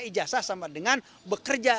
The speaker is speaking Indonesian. ijasa sama dengan bekerja